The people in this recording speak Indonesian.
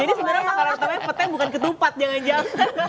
jadi sebenarnya makanan pertama petai bukan ketupat jangan jauh